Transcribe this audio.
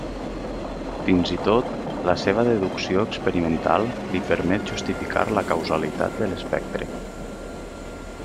Fins i tot, la seva deducció experimental li permet justificar la causalitat de l'espectre.